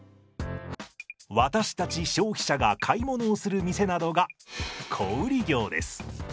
私たち消費者が買い物をする店などが小売業です。